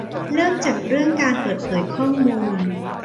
เริ่มจากเรื่องการเปิดเผยข้อมูล